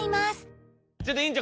ちょっと院長